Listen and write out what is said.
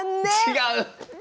違う！